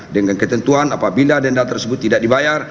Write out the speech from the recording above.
dengan ketentuan apabila denda tersebut tidak dibayar